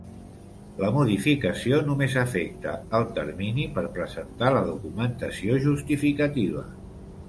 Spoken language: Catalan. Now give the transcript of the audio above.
La modificació només afecta el termini per presentar la documentació justificativa.